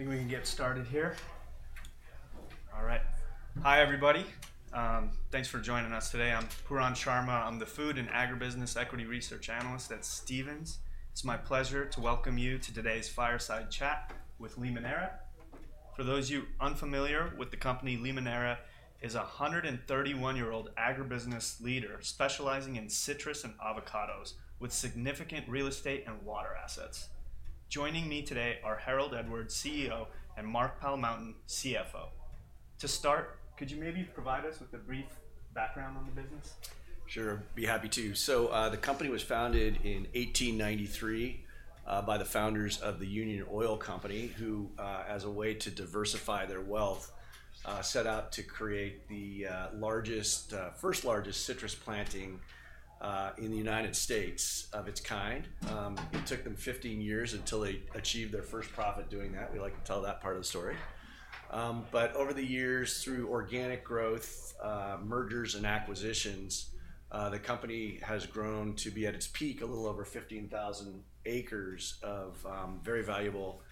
Think we can get started here. All right. Hi, everybody. Thanks for joining us today. I'm Pooran Sharma. I'm the Food and Agribusiness Equity Research Analyst at Stephens. It's my pleasure to welcome you to today's Fireside Chat with Limoneira. For those of you unfamiliar with the company, Limoneira is a 131-year-old agribusiness leader specializing in citrus and avocados, with significant real estate and water assets. Joining me today are Harold Edwards, CEO, and Mark Palamountain, CFO. To start, could you maybe provide us with a brief background on the business? Sure. I'd be happy to. So the company was founded in 1893 by the founders of the Union Oil Company, who, as a way to diversify their wealth, set out to create the largest, first largest citrus planting in the United States of its kind. It took them 15 years until they achieved their first profit doing that. We like to tell that part of the story. But over the years, through organic growth, mergers, and acquisitions, the company has grown to be at its peak, a little over 15,000 acres of very valuable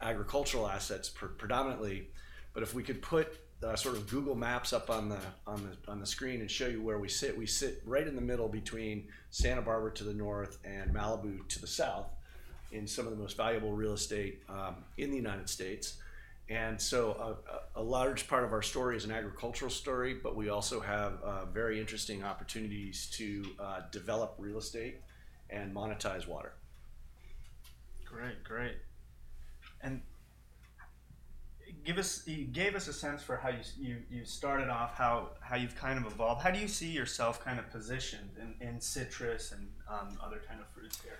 agricultural assets, predominantly. But if we could put sort of Google Maps up on the screen and show you where we sit, we sit right in the middle between Santa Barbara to the north and Malibu to the south in some of the most valuable real estate in the United States. A large part of our story is an agricultural story, but we also have very interesting opportunities to develop real estate and monetize water. Great. Great. And give us a sense for how you started off, how you've kind of evolved. How do you see yourself kind of positioned in citrus and other kinds of fruits here?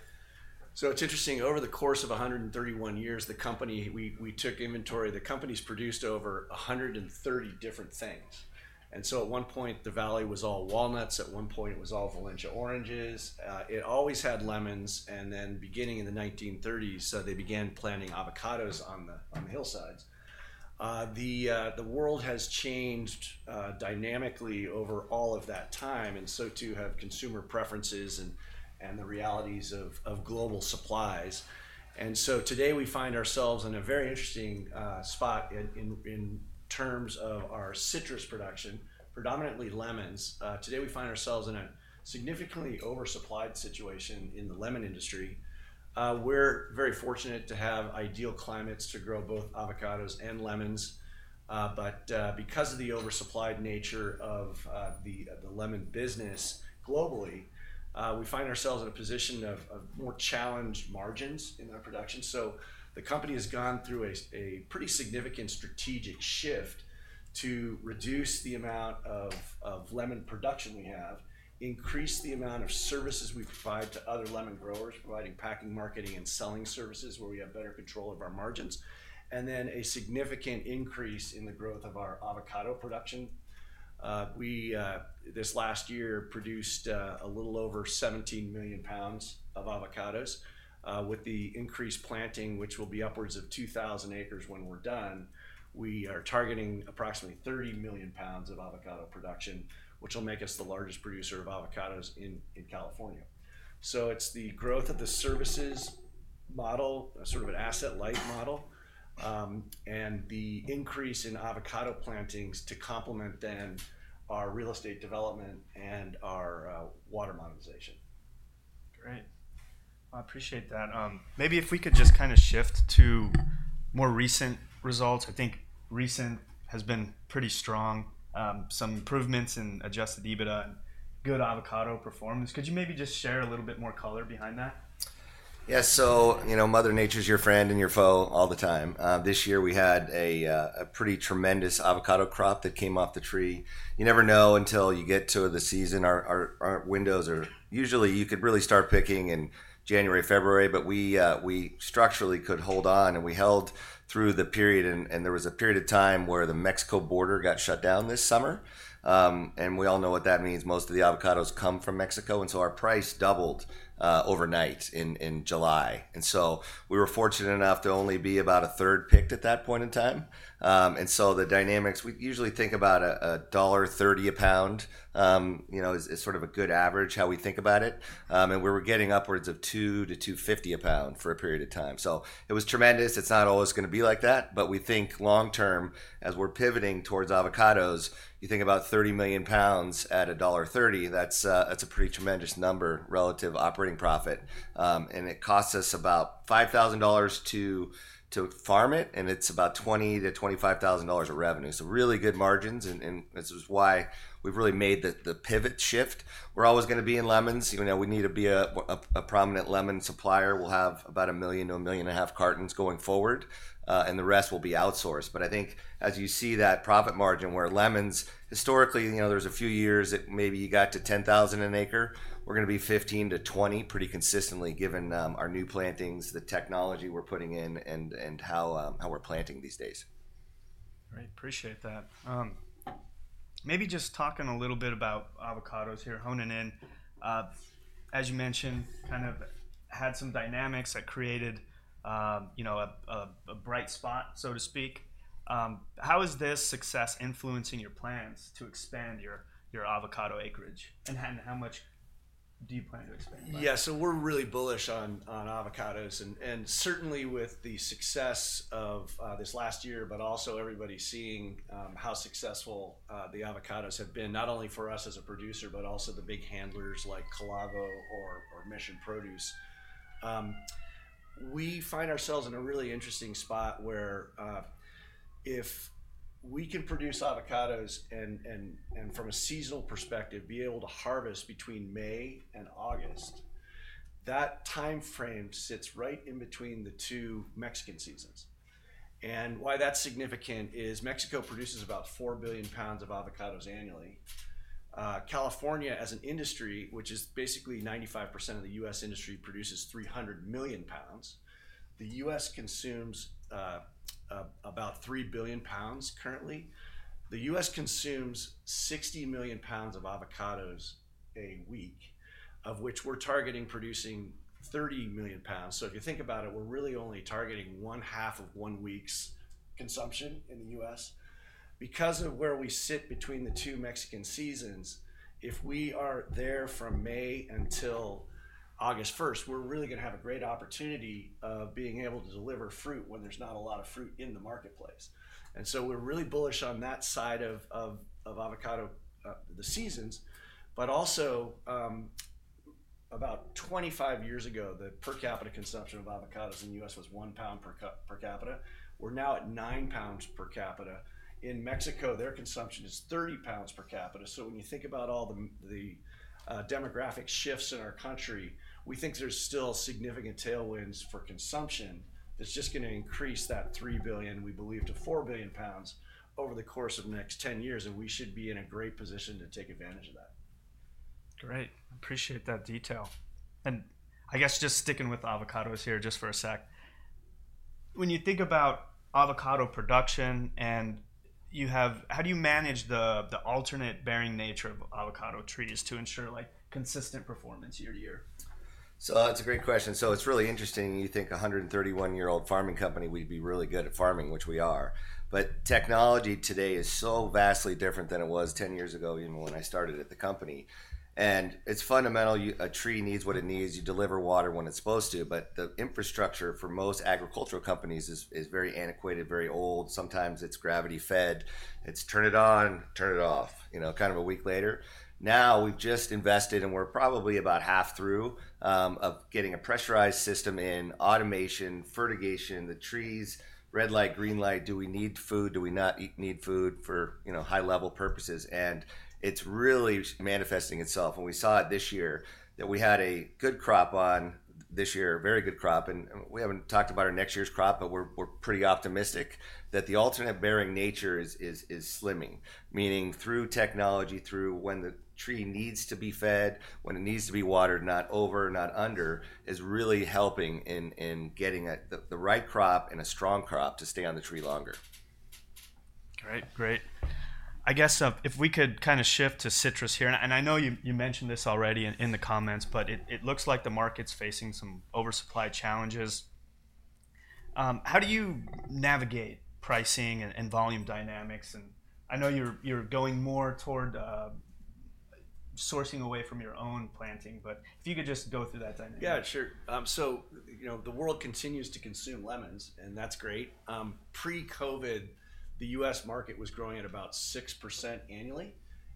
It's interesting. Over the course of 131 years, the company. We took inventory. The company's produced over 130 different things. At one point, the valley was all walnuts. At one point, it was all Valencia oranges. It always had lemons. Beginning in the 1930s, they began planting avocados on the hillsides. The world has changed dynamically over all of that time, and so too have consumer preferences and the realities of global supplies. Today, we find ourselves in a very interesting spot in terms of our citrus production, predominantly lemons. Today, we find ourselves in a significantly oversupplied situation in the lemon industry. We're very fortunate to have ideal climates to grow both avocados and lemons. Because of the oversupplied nature of the lemon business globally, we find ourselves in a position of more challenged margins in our production. The company has gone through a pretty significant strategic shift to reduce the amount of lemon production we have, increase the amount of services we provide to other lemon growers, providing packing, marketing, and selling services where we have better control of our margins, and then a significant increase in the growth of our avocado production. We, this last year, produced a little over 17 million pounds of avocados. With the increased planting, which will be upwards of 2,000 acres when we're done, we are targeting approximately 30 million pounds of avocado production, which will make us the largest producer of avocados in California. It's the growth of the services model, sort of an asset-light model, and the increase in avocado plantings to complement then our real estate development and our water monetization. Great. I appreciate that. Maybe if we could just kind of shift to more recent results. I think recent has been pretty strong. Some improvements in Adjusted EBITDA and good avocado performance. Could you maybe just share a little bit more color behind that? Yeah. So you know Mother Nature's your friend and your foe all the time. This year, we had a pretty tremendous avocado crop that came off the tree. You never know until you get to the season. Our windows are usually you could really start picking in January, February, but we structurally could hold on. And we held through the period. And there was a period of time where the Mexico border got shut down this summer. And we all know what that means. Most of the avocados come from Mexico. And so our price doubled overnight in July. And so we were fortunate enough to only be about a third picked at that point in time. And so the dynamics, we usually think about $1.30 a pound as sort of a good average, how we think about it. We were getting upwards of $2-$2.50 a pound for a period of time. So it was tremendous. It's not always going to be like that. But we think long term, as we're pivoting towards avocados, you think about 30 million pounds at $1.30. That's a pretty tremendous number relative operating profit. And it costs us about $5,000 to farm it. And it's about $20,000-$25,000 of revenue. So really good margins. And this is why we've really made the pivot shift. We're always going to be in lemons. We need to be a prominent lemon supplier. We'll have about a million to a million and a half cartons going forward. And the rest will be outsourced. But I think as you see that profit margin where lemons, historically, there's a few years that maybe you got to $10,000 an acre. We're going to be 15-20 pretty consistently, given our new plantings, the technology we're putting in, and how we're planting these days. Great. Appreciate that. Maybe just talking a little bit about avocados here, honing in. As you mentioned, kind of had some dynamics that created a bright spot, so to speak. How is this success influencing your plans to expand your avocado acreage? And how much do you plan to expand? Yeah. So we're really bullish on avocados. And certainly with the success of this last year, but also everybody seeing how successful the avocados have been, not only for us as a producer, but also the big handlers like Calavo Growers or Mission Produce, we find ourselves in a really interesting spot where if we can produce avocados and from a seasonal perspective, be able to Harvest between May and August, that time frame sits right in between the two Mexican seasons. And why that's significant is Mexico produces about 4 billion pounds of avocados annually. California, as an industry, which is basically 95% of the U.S. industry, produces 300 million pounds. The U.S. consumes about 3 billion pounds currently. The U.S. consumes 60 million pounds of avocados a week, of which we're targeting producing 30 million pounds. So if you think about it, we're really only targeting one half of one week's consumption in the U.S. Because of where we sit between the two Mexican seasons, if we are there from May until August 1, we're really going to have a great opportunity of being able to deliver fruit when there's not a lot of fruit in the marketplace. And so we're really bullish on that side of avocado seasons. But also, about 25 years ago, the per capita consumption of avocados in the U.S. was one pound per capita. We're now at nine pounds per capita. In Mexico, their consumption is 30 pounds per capita. So when you think about all the demographic shifts in our country, we think there's still significant tailwinds for consumption. It's just going to increase that 3 billion, we believe, to 4 billion pounds over the course of the next 10 years. And we should be in a great position to take advantage of that. Great. Appreciate that detail. And I guess just sticking with avocados here just for a sec. When you think about avocado production and how do you manage the alternate-bearing nature of avocado trees to ensure consistent performance year to year? That's a great question. It's really interesting. You think a 131-year-old farming company, we'd be really good at farming, which we are. But technology today is so vastly different than it was 10 years ago, even when I started at the company. And it's fundamental. A tree needs what it needs. You deliver water when it's supposed to. But the infrastructure for most agricultural companies is very antiquated, very old. Sometimes it's gravity-fed. It's turn it on, turn it off, kind of a week later. Now we've just invested, and we're probably about half through of getting a pressurized system in automation, fertigation, the trees, red light, green light. Do we need feed? Do we not need feed for high-level purposes? And it's really manifesting itself. And we saw it this year that we had a good crop this year, a very good crop. We haven't talked about our next year's crop, but we're pretty optimistic that the alternate-bearing nature is slimming, meaning through technology, through when the tree needs to be fed, when it needs to be watered, not over, not under, is really helping in getting the right crop and a strong crop to stay on the tree longer. Great. Great. I guess if we could kind of shift to citrus here, and I know you mentioned this already in the comments, but it looks like the market's facing some oversupply challenges. How do you navigate pricing and volume dynamics, and I know you're going more toward sourcing away from your own planting, but if you could just go through that dynamic. Yeah, sure. So the world continues to consume lemons, and that's great. Pre-COVID, the U.S. market was growing at about 6% annually,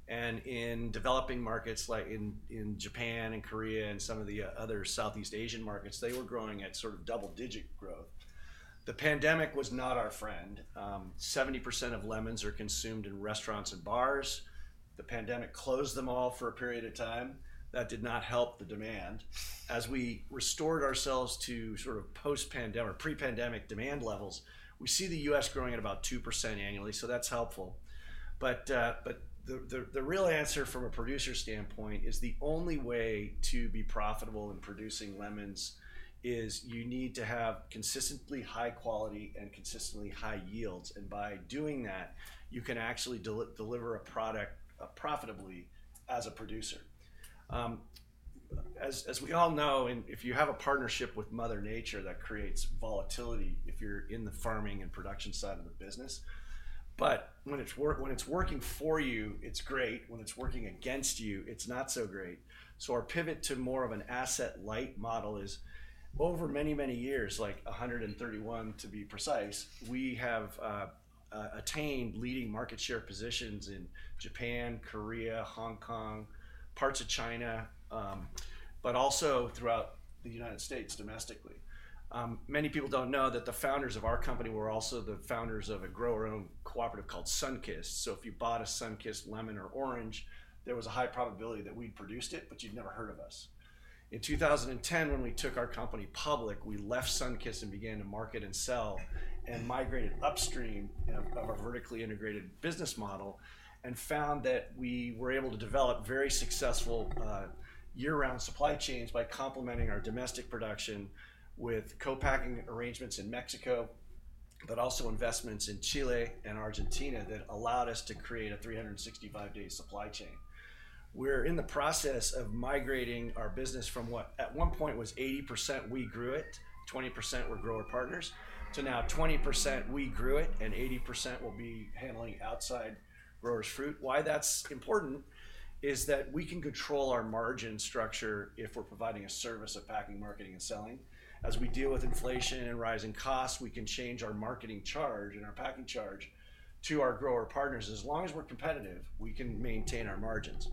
and in developing markets like in Japan and Korea and some of the other Southeast Asian markets, they were growing at sort of double-digit growth. The pandemic was not our friend. 70% of lemons are consumed in restaurants and bars. The pandemic closed them all for a period of time. That did not help the demand. As we restored ourselves to sort of post-pandemic, pre-pandemic demand levels, we see the U.S. growing at about 2% annually, so that's helpful, but the real answer from a producer standpoint is the only way to be profitable in producing lemons is you need to have consistently high quality and consistently high yields, and by doing that, you can actually deliver a product profitably as a producer. As we all know, if you have a partnership with Mother Nature, that creates volatility if you're in the farming and production side of the business. But when it's working for you, it's great. When it's working against you, it's not so great. So our pivot to more of an asset-light model is over many, many years, like 131 to be precise, we have attained leading market share positions in Japan, Korea, Hong Kong, parts of China, but also throughout the United States domestically. Many people don't know that the founders of our company were also the founders of a grower-owned cooperative called Sunkist. So if you bought a Sunkist lemon or orange, there was a high probability that we'd produced it, but you'd never heard of us. In 2010, when we took our company public, we left Sunkist and began to market and sell and migrated upstream of our vertically integrated business model and found that we were able to develop very successful year-round supply chains by complementing our domestic production with co-packing arrangements in Mexico, but also investments in Chile and Argentina that allowed us to create a 365-day supply chain. We're in the process of migrating our business from what at one point was 80% we grew it, 20% were grower partners, to now 20% we grew it, and 80% will be handling outside growers' fruit. Why that's important is that we can control our margin structure if we're providing a service of packing, marketing, and selling. As we deal with inflation and rising costs, we can change our marketing charge and our packing charge to our grower partners. As long as we're competitive, we can maintain our margins.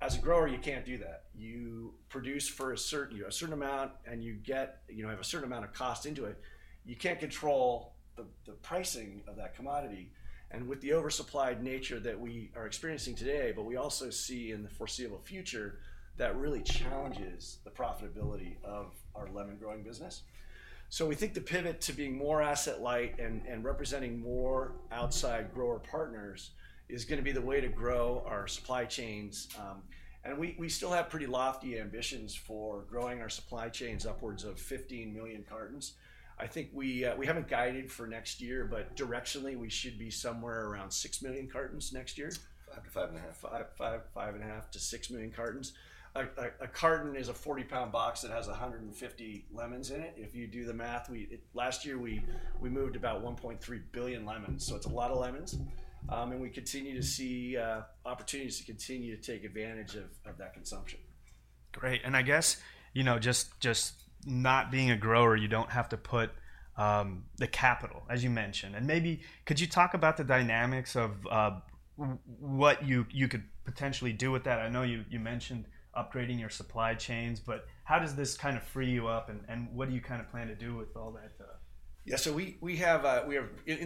As a grower, you can't do that. You produce for a certain amount, and you have a certain amount of cost into it. You can't control the pricing of that commodity. And with the oversupplied nature that we are experiencing today, but we also see in the foreseeable future that really challenges the profitability of our lemon growing business. So we think the pivot to being more asset-light and representing more outside grower partners is going to be the way to grow our supply chains. And we still have pretty lofty ambitions for growing our supply chains upwards of 15 million cartons. I think we haven't guided for next year, but directionally, we should be somewhere around 6 million cartons next year. 5 to 5.5, 5.5 to 6 million cartons. A carton is a 40-pound box that has 150 lemons in it. If you do the math, last year we moved about 1.3 billion lemons. So it's a lot of lemons. And we continue to see opportunities to continue to take advantage of that consumption. Great. And I guess just not being a grower, you don't have to put the capital, as you mentioned. And maybe could you talk about the dynamics of what you could potentially do with that? I know you mentioned upgrading your supply chains, but how does this kind of free you up? And what do you kind of plan to do with all that? Yeah. So in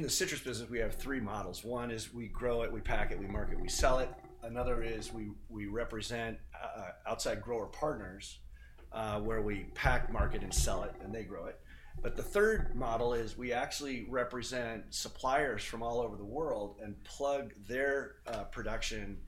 the citrus business, we have three models. One is we grow it, we pack it, we market, we sell it. Another is we represent outside grower partners where we pack, market, and sell it, and they grow it. But the third model is we actually represent suppliers from all over the world and plug their production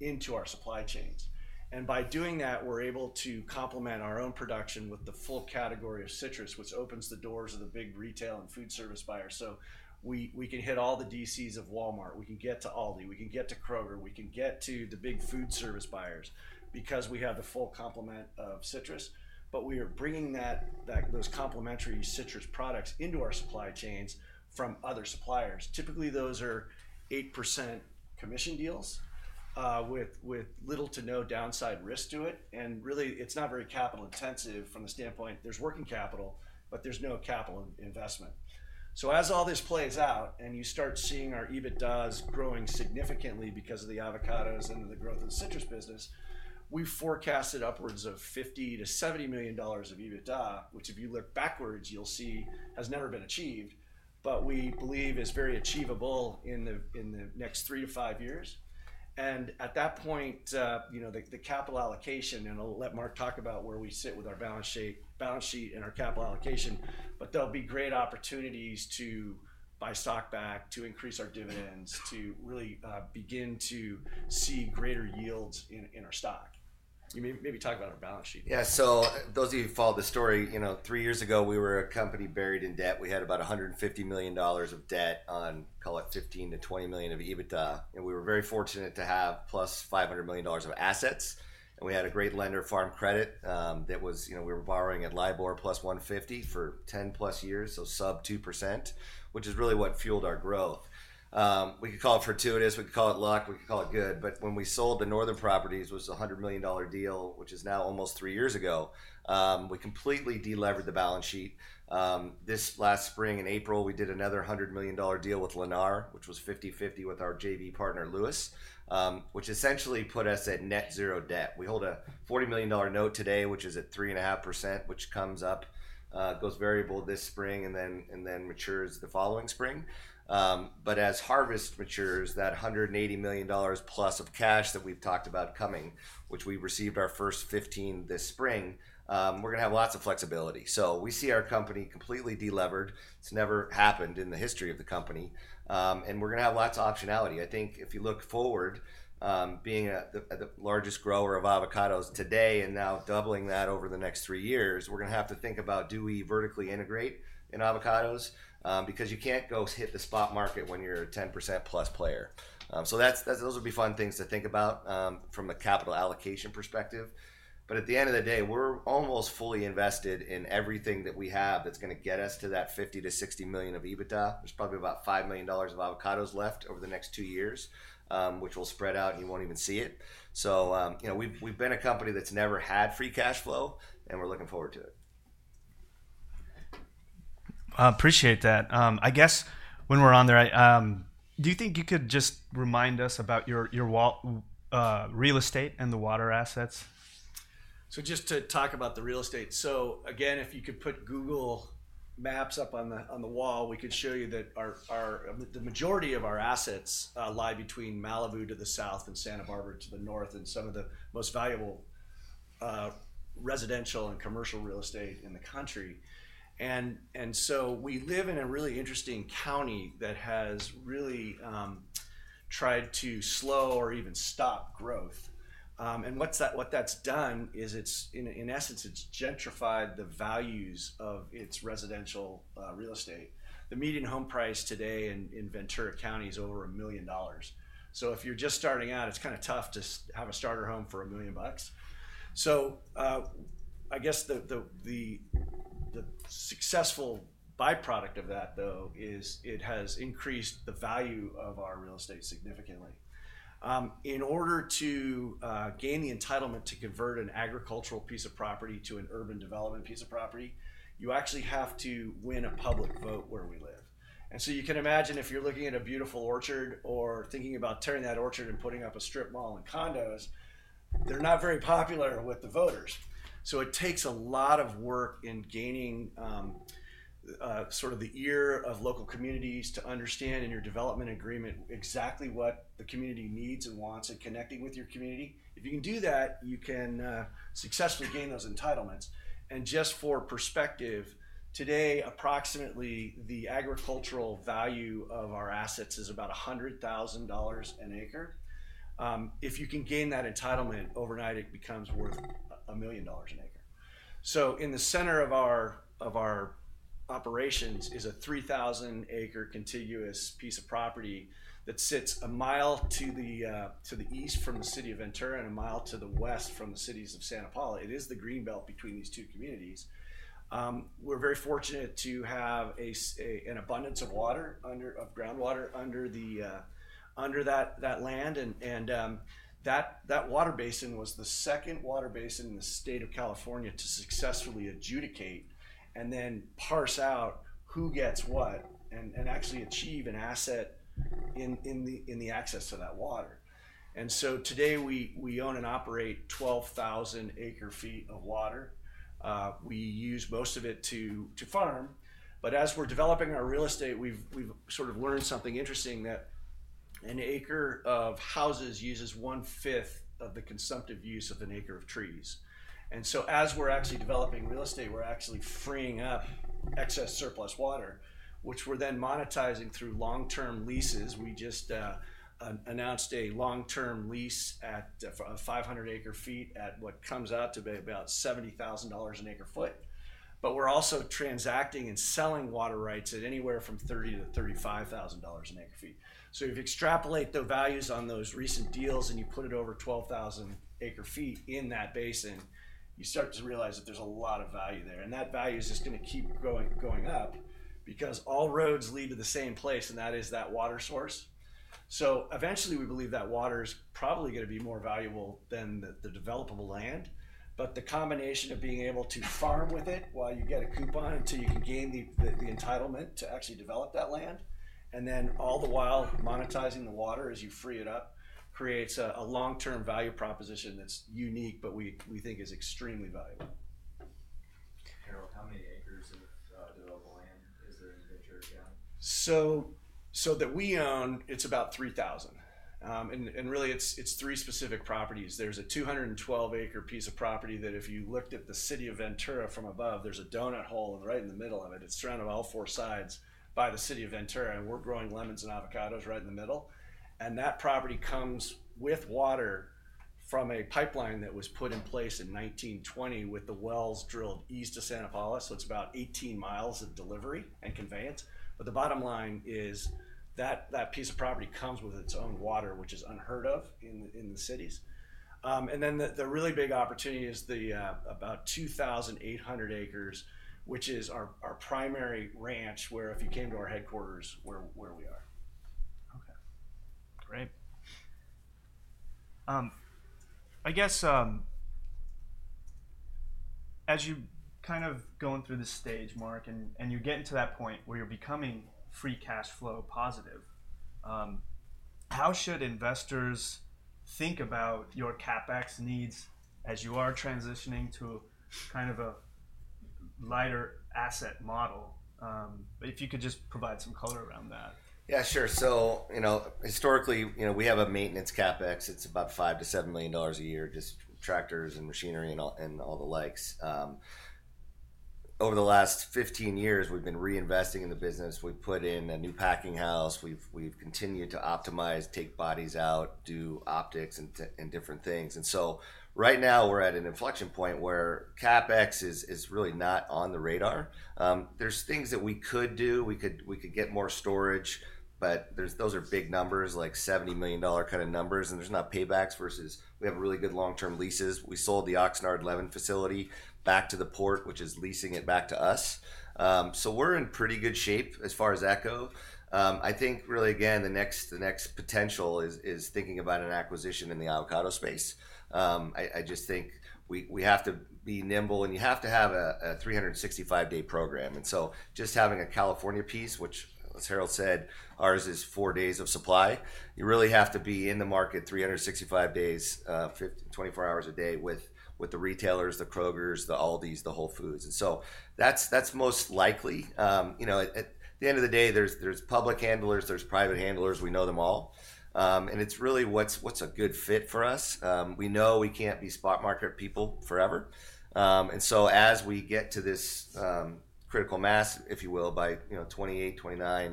into our supply chains. And by doing that, we're able to complement our own production with the full category of citrus, which opens the doors of the big retail and food service buyers. So we can hit all the DCs of Walmart. We can get to Aldi. We can get to Kroger. We can get to the big food service buyers because we have the full complement of citrus. But we are bringing those complementary citrus products into our supply chains from other suppliers. Typically, those are 8% commission deals with little to no downside risk to it. And really, it's not very capital intensive from the standpoint, there's working capital, but there's no capital investment. So as all this plays out and you start seeing our EBITDA growing significantly because of the avocados and the growth of the citrus business, we forecasted upwards of $50-$70 million of EBITDA, which if you look backwards, you'll see has never been achieved, but we believe is very achievable in the next three to five years. And at that point, the capital allocation, and I'll let Mark talk about where we sit with our balance sheet and our capital allocation, but there'll be great opportunities to buy stock back, to increase our dividends, to really begin to see greater yields in our stock. You maybe talk about our balance sheet. Yeah. Those of you who follow the story, three years ago, we were a company buried in debt. We had about $150 million of debt on, call it, 15-20 million of EBITDA. And we were very fortunate to have plus $500 million of assets. And we had a great lender Farm Credit that was we were borrowing at LIBOR plus 150 for 10 plus years, so sub 2%, which is really what fueled our growth. We could call it fortuitous. We could call it luck. We could call it good. But when we sold the Northern Properties, it was a $100 million deal, which is now almost three years ago. We completely delevered the balance sheet. This last spring in April, we did another $100 million deal with Lennar, which was 50/50 with our JV partner, Lewis, which essentially put us at net zero debt. We hold a $40 million note today, which is at 3.5%, which comes up, goes variable this spring, and then matures the following spring. But as Harvest matures, that $180 million plus of cash that we've talked about coming, which we received our first $15 million this spring, we're going to have lots of flexibility. We see our company completely delevered. It's never happened in the history of the company. We're going to have lots of optionality. I think if you look forward, being the largest grower of avocados today and now doubling that over the next three years, we're going to have to think about, do we vertically integrate in avocados? Because you can't go hit the spot market when you're a 10% plus player. Those would be fun things to think about from a capital allocation perspective. But at the end of the day, we're almost fully invested in everything that we have that's going to get us to that 50-60 million of EBITDA. There's probably about $5 million of avocados left over the next two years, which will spread out, and you won't even see it. So we've been a company that's never had free cash flow, and we're looking forward to it. Appreciate that. I guess when we're on there, do you think you could just remind us about your real estate and the water assets? Just to talk about the real estate. Again, if you could put Google Maps up on the wall, we could show you that the majority of our assets lie between Malibu to the south and Santa Barbara to the north and some of the most valuable residential and commercial real estate in the country. We live in a really interesting county that has really tried to slow or even stop growth. What that's done is, in essence, it's gentrified the values of its residential real estate. The median home price today in Ventura County is over $1 million. If you're just starting out, it's kind of tough to have a starter home for $1 million. I guess the successful byproduct of that, though, is it has increased the value of our real estate significantly. In order to gain the entitlement to convert an agricultural piece of property to an urban development piece of property, you actually have to win a public vote where we live, and so you can imagine if you're looking at a beautiful orchard or thinking about tearing that orchard and putting up a strip mall and condos, they're not very popular with the voters, so it takes a lot of work in gaining sort of the ear of local communities to understand in your development agreement exactly what the community needs and wants and connecting with your community. If you can do that, you can successfully gain those entitlements, and just for perspective, today, approximately the agricultural value of our assets is about $100,000 an acre. If you can gain that entitlement overnight, it becomes worth $1 million an acre. So in the center of our operations is a 3,000-acre contiguous piece of property that sits a mile to the east from the city of Ventura and a mile to the west from the cities of Santa Paula. It is the greenbelt between these two communities. We're very fortunate to have an abundance of groundwater under that land. And that water basin was the second water basin in the state of California to successfully adjudicate and then parse out who gets what and actually achieve an asset in the access to that water. And so today, we own and operate 12,000 acre-feet of water. We use most of it to farm. But as we're developing our real estate, we've sort of learned something interesting that an acre of houses uses one-fifth of the consumptive use of an acre of trees. And so as we're actually developing real estate, we're actually freeing up excess surplus water, which we're then monetizing through long-term leases. We just announced a long-term lease at 500 acre-feet at what comes out to be about $70,000 an acre-foot. But we're also transacting and selling water rights at anywhere from $30,000-$35,000 an acre-foot. So if you extrapolate the values on those recent deals and you put it over 12,000 acre-feet in that basin, you start to realize that there's a lot of value there. And that value is just going to keep going up because all roads lead to the same place, and that is that water source. So eventually, we believe that water is probably going to be more valuable than the developable land. But the combination of being able to farm with it while you get a coupon until you can gain the entitlement to actually develop that land, and then all the while monetizing the water as you free it up, creates a long-term value proposition that's unique, but we think is extremely valuable. Harold, how many acres of developable land is there in Ventura County? So that we own, it's about 3,000. And really, it's three specific properties. There's a 212-acre piece of property that if you looked at the city of Ventura from above, there's a donut hole right in the middle of it. It's surrounded on all four sides by the city of Ventura. And we're growing lemons and avocados right in the middle. And that property comes with water from a pipeline that was put in place in 1920 with the wells drilled east of Santa Paula. So it's about 18 miles of delivery and conveyance. But the bottom line is that piece of property comes with its own water, which is unheard of in the cities. And then the really big opportunity is the about 2,800 acres, which is our primary ranch where if you came to our headquarters, where we are. Okay. Great. I guess as you kind of going through this stage, Mark, and you get into that point where you're becoming free cash flow positive, how should investors think about your CapEx needs as you are transitioning to kind of an asset-light model? If you could just provide some color around that. Yeah, sure. So historically, we have a maintenance CapEx. It's about $5-$7 million a year, just tractors and machinery and all the likes. Over the last 15 years, we've been reinvesting in the business. We've put in a new packing house. We've continued to optimize, take bodies out, do optics and different things. And so right now, we're at an inflection point where CapEx is really not on the radar. There's things that we could do. We could get more storage, but those are big numbers, like $70 million kind of numbers. And there's not paybacks versus we have really good long-term leases. We sold the Oxnard Lemon facility back to the port, which is leasing it back to us. So we're in pretty good shape as far as CapEx. I think really, again, the next potential is thinking about an acquisition in the avocado space. I just think we have to be nimble. And you have to have a 365-day program. And so just having a California piece, which, as Harold said, ours is four days of supply, you really have to be in the market 365 days, 24 hours a day with the retailers, the Krogers, the Aldis, the Whole Foods. And so that's most likely. At the end of the day, there's public handlers, there's private handlers. We know them all. And it's really what's a good fit for us. We know we can't be spot market people forever. And so as we get to this critical mass, if you will, by 2028, 2029,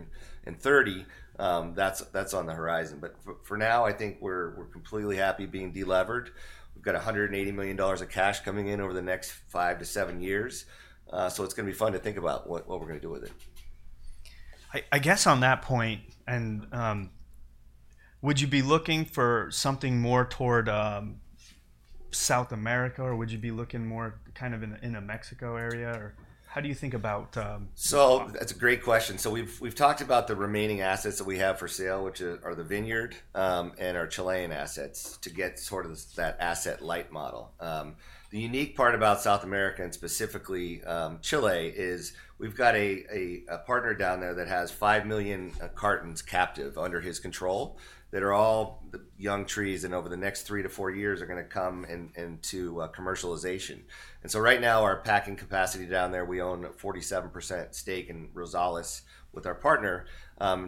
and 2030, that's on the horizon. But for now, I think we're completely happy being delevered. We've got $180 million of cash coming in over the next five to seven years. So it's going to be fun to think about what we're going to do with it. I guess on that point, would you be looking for something more toward South America, or would you be looking more kind of in the Mexico area? Or how do you think about? So that's a great question. So we've talked about the remaining assets that we have for sale, which are the vineyard and our Chilean assets to get sort of that asset-light model. The unique part about South America and specifically Chile is we've got a partner down there that has 5 million cartons captive under his control that are all young trees. And over the next three to four years, they're going to come into commercialization. And so right now, our packing capacity down there, we own a 47% stake in Rosales with our partner.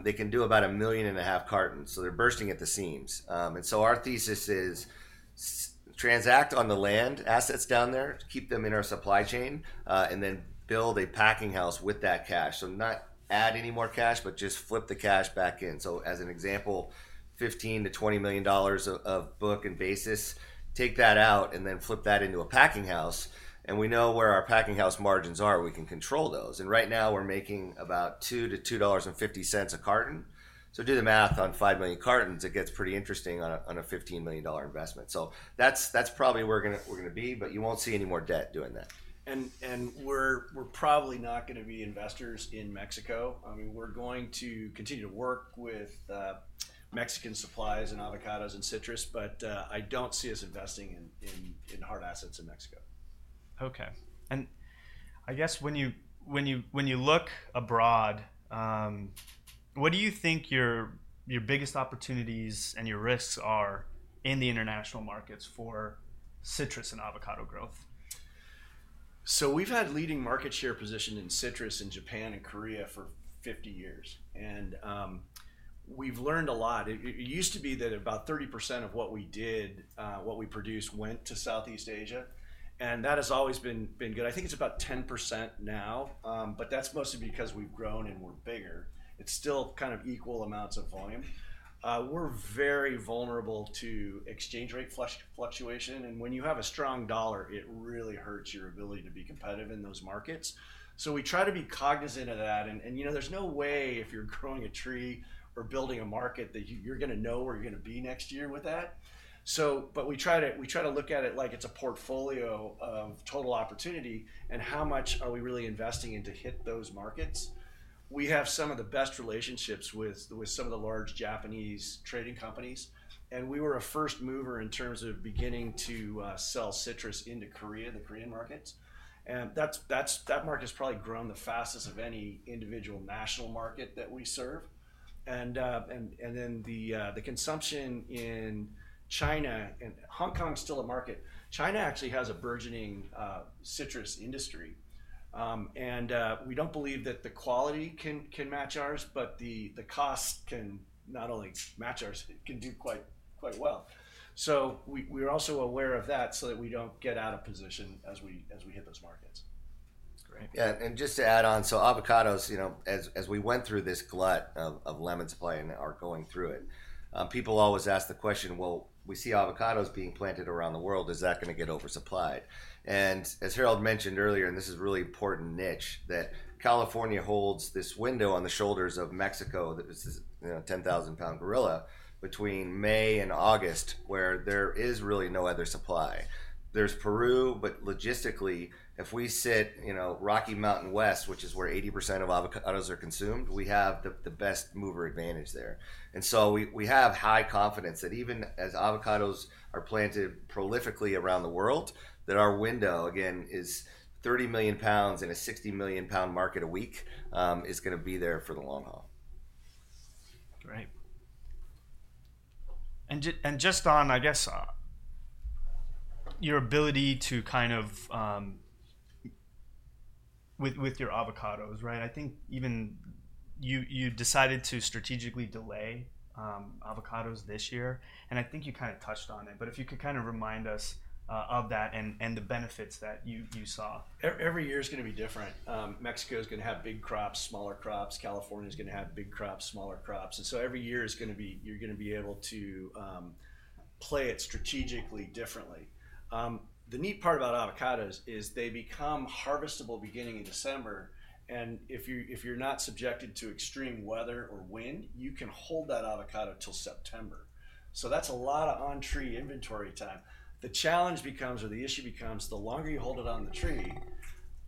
They can do about 1.5 million cartons. So they're bursting at the seams. And so our thesis is transact on the land assets down there, keep them in our supply chain, and then build a packing house with that cash. So not add any more cash, but just flip the cash back in. So as an example, $15-$20 million of book and basis, take that out and then flip that into a packing house. And we know where our packing house margins are. We can control those. And right now, we're making about $2-$2.50 a carton. So do the math on five million cartons. It gets pretty interesting on a $15 million investment. So that's probably where we're going to be, but you won't see any more debt doing that. We're probably not going to be investors in Mexico. I mean, we're going to continue to work with Mexican suppliers and avocados and citrus, but I don't see us investing in hard assets in Mexico. Okay, and I guess when you look abroad, what do you think your biggest opportunities and your risks are in the international markets for citrus and avocado growth? We’ve had leading market share position in citrus in Japan and Korea for 50 years. We’ve learned a lot. It used to be that about 30% of what we did, what we produced, went to Southeast Asia. That has always been good. I think it’s about 10% now, but that’s mostly because we’ve grown and we’re bigger. It’s still kind of equal amounts of volume. We’re very vulnerable to exchange rate fluctuation. When you have a strong dollar, it really hurts your ability to be competitive in those markets. We try to be cognizant of that. There’s no way if you’re growing a tree or building a market that you’re going to know where you’re going to be next year with that. But we try to look at it like it's a portfolio of total opportunity and how much are we really investing into hitting those markets. We have some of the best relationships with some of the large Japanese trading companies. And we were a first mover in terms of beginning to sell citrus into Korea, the Korean markets. And that market has probably grown the fastest of any individual national market that we serve. And then the consumption in China and Hong Kong is still a market. China actually has a burgeoning citrus industry. And we don't believe that the quality can match ours, but the cost can not only match ours, it can do quite well. So we're also aware of that so that we don't get out of position as we hit those markets. Great. Yeah. Just to add on, so avocados, as we went through this glut of lemon supply and are going through it, people always ask the question, well, we see avocados being planted around the world. Is that going to get oversupplied? And as Harold mentioned earlier, and this is a really important niche, that California holds this window on the shoulders of Mexico, that is a 10,000-pound gorilla between May and August, where there is really no other supply. There's Peru, but logistically, if we sit Rocky Mountain West, which is where 80% of avocados are consumed, we have the best first-mover advantage there. And so we have high confidence that even as avocados are planted prolifically around the world, that our window, again, is 30 million pounds in a 60 million-pound market a week, is going to be there for the long haul. Great. And just on, I guess, your ability to kind of with your avocados, right? I think even you decided to strategically delay avocados this year. And I think you kind of touched on it, but if you could kind of remind us of that and the benefits that you saw. Every year is going to be different. Mexico is going to have big crops, smaller crops. California is going to have big crops, smaller crops, and so every year is going to be, you're going to be able to play it strategically differently. The neat part about avocados is they become Harvestable beginning in December, and if you're not subjected to extreme weather or wind, you can hold that avocado till September, so that's a lot of on-tree inventory time. The challenge becomes, or the issue becomes, the longer you hold it on the tree,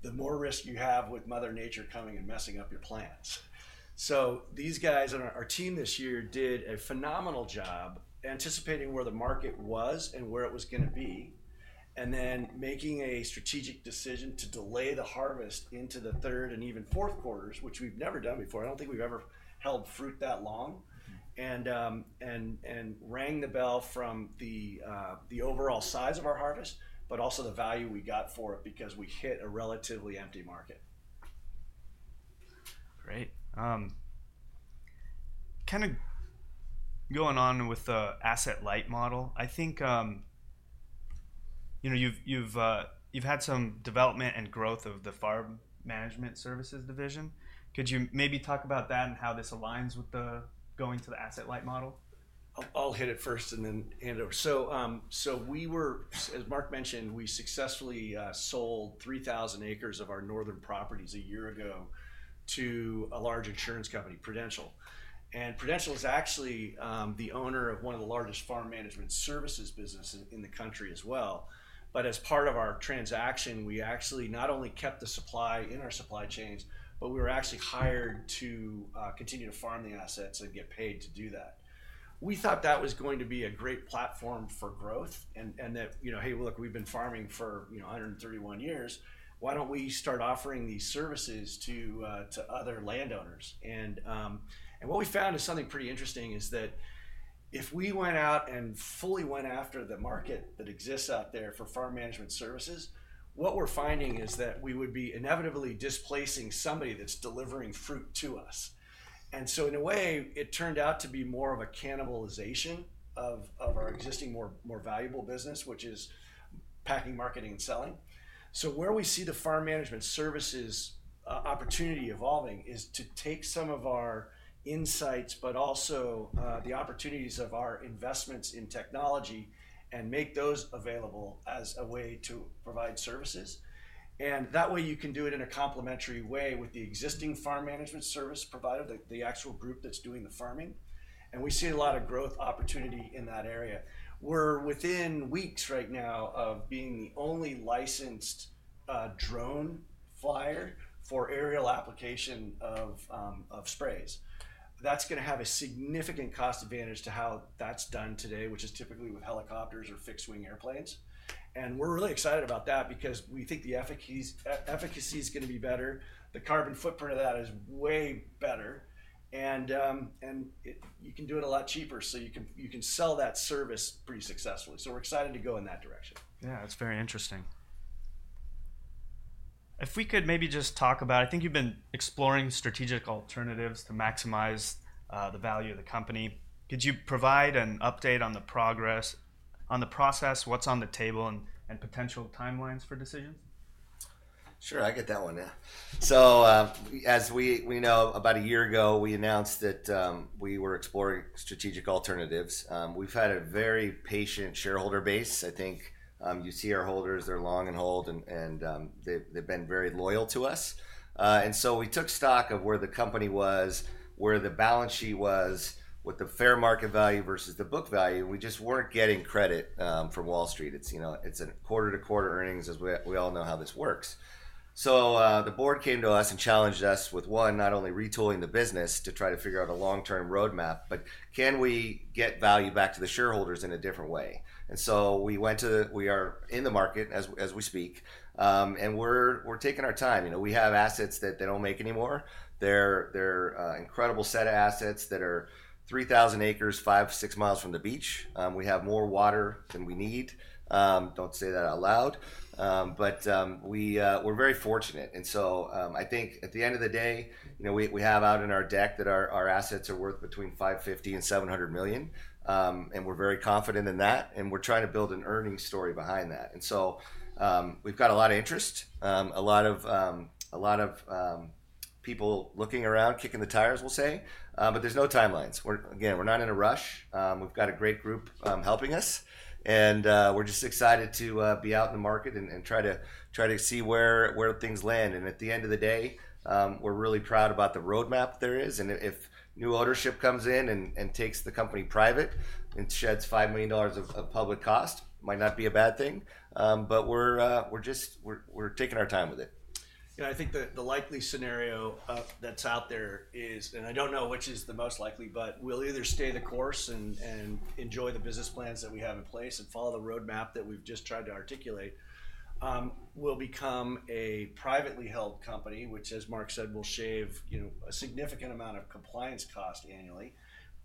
the more risk you have with Mother Nature coming and messing up your plants. So these guys, our team this year, did a phenomenal job anticipating where the market was and where it was going to be, and then making a strategic decision to delay the Harvest into the third and even fourth quarters, which we've never done before. I don't think we've ever held fruit that long and rang the bell from the overall size of our Harvest, but also the value we got for it because we hit a relatively empty market. Great. Kind of going on with the asset light model, I think you've had some development and growth of the farm management services division. Could you maybe talk about that and how this aligns with going to the asset light model? I'll hit it first and then hand it over so as Mark mentioned, we successfully sold 3,000 acres of our northern properties a year ago to a large insurance company, Prudential, and Prudential is actually the owner of one of the largest farm management services businesses in the country as well, but as part of our transaction, we actually not only kept the supply in our supply chains, but we were actually hired to continue to farm the assets and get paid to do that. We thought that was going to be a great platform for growth and that, hey, look, we've been farming for 131 years. Why don't we start offering these services to other landowners? What we found is something pretty interesting that if we went out and fully went after the market that exists out there for farm management services, what we're finding is that we would be inevitably displacing somebody that's delivering fruit to us. And so in a way, it turned out to be more of a cannibalization of our existing more valuable business, which is packing, marketing, and selling. So where we see the farm management services opportunity evolving is to take some of our insights, but also the opportunities of our investments in technology and make those available as a way to provide services. And that way, you can do it in a complementary way with the existing farm management service provider, the actual group that's doing the farming. And we see a lot of growth opportunity in that area. We're within weeks right now of being the only licensed drone flyer for aerial application of sprays. That's going to have a significant cost advantage to how that's done today, which is typically with helicopters or fixed-wing airplanes, and we're really excited about that because we think the efficacy is going to be better. The carbon footprint of that is way better, and you can do it a lot cheaper, so you can sell that service pretty successfully, so we're excited to go in that direction. Yeah, that's very interesting. If we could maybe just talk about, I think you've been exploring strategic alternatives to maximize the value of the company. Could you provide an update on the progress, on the process, what's on the table, and potential timelines for decisions? Sure, I get that one, yeah. So as we know, about a year ago, we announced that we were exploring strategic alternatives. We've had a very patient shareholder base. I think you see our holders. They're long and hold, and they've been very loyal to us. And so we took stock of where the company was, where the balance sheet was, what the fair market value versus the book value. And we just weren't getting credit from Wall Street. It's a quarter-to-quarter earnings, as we all know how this works. So the board came to us and challenged us with, one, not only retooling the business to try to figure out a long-term roadmap, but can we get value back to the shareholders in a different way? And so we are in the market as we speak. And we're taking our time. We have assets that they don't make anymore. They're an incredible set of assets that are 3,000 acres, five, six miles from the beach. We have more water than we need. Don't say that out loud. But we're very fortunate. And so I think at the end of the day, we have out in our deck that our assets are worth between $550 million and $700 million. And we're very confident in that. And we're trying to build an earnings story behind that. And so we've got a lot of interest, a lot of people looking around, kicking the tires, we'll say. But there's no timelines. Again, we're not in a rush. We've got a great group helping us. And we're just excited to be out in the market and try to see where things land. And at the end of the day, we're really proud about the roadmap there is. If new ownership comes in and takes the company private and sheds $5 million of public cost, it might not be a bad thing. We're just taking our time with it. Yeah, I think the likely scenario that's out there is, and I don't know which is the most likely, but we'll either stay the course and enjoy the business plans that we have in place and follow the roadmap that we've just tried to articulate, we'll become a privately held company, which, as Mark said, will shave a significant amount of compliance cost annually,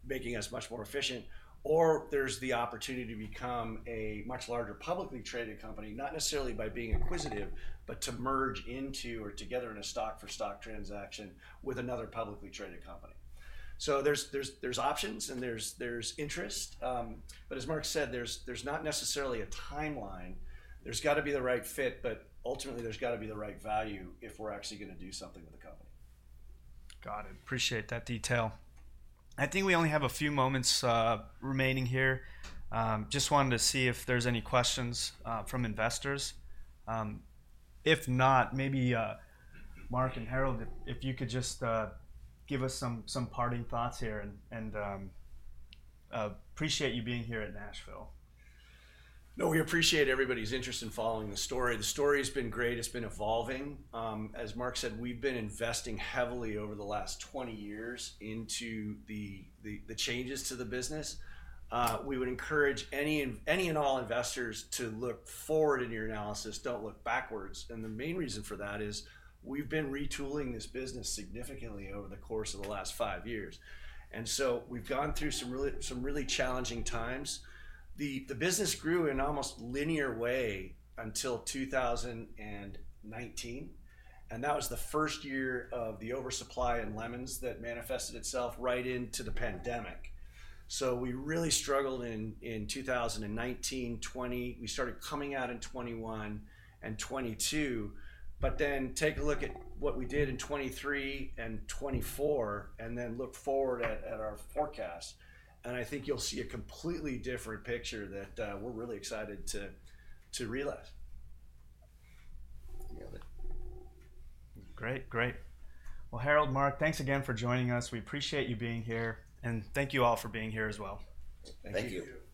making us much more efficient. Or there's the opportunity to become a much larger publicly traded company, not necessarily by being acquisitive, but to merge into or together in a stock-for-stock transaction with another publicly traded company. So there's options and there's interest. But as Mark said, there's not necessarily a timeline. There's got to be the right fit, but ultimately, there's got to be the right value if we're actually going to do something with the company. Got it. Appreciate that detail. I think we only have a few moments remaining here. Just wanted to see if there's any questions from investors. If not, maybe Mark and Harold, if you could just give us some parting thoughts here, and appreciate you being here at Nashville. No, we appreciate everybody's interest in following the story. The story has been great. It's been evolving. As Mark said, we've been investing heavily over the last 20 years into the changes to the business. We would encourage any and all investors to look forward in your analysis. Don't look backwards. And the main reason for that is we've been retooling this business significantly over the course of the last five years. And so we've gone through some really challenging times. The business grew in an almost linear way until 2019. And that was the first year of the oversupply in lemons that manifested itself right into the pandemic. So we really struggled in 2019, 2020. We started coming out in 2021 and 2022. But then take a look at what we did in 2023 and 2024, and then look forward at our forecast. I think you'll see a completely different picture that we're really excited to realize. Great, great. Harold, Mark, thanks again for joining us. We appreciate you being here, and thank you all for being here as well. Thank you.